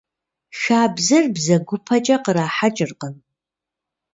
Хабзэр бзэгупэкӀэ кърахьэкӀыркъым.